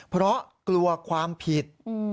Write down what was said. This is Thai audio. เพราะกลัวความผิด